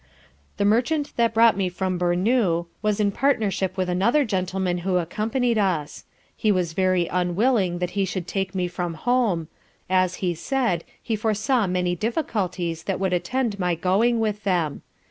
The merchant that brought me from Bournou, was in partnership with another gentleman who accompanied us; he was very unwilling that he should take me from home, as, he said, he foresaw many difficulties that would attend my going with them.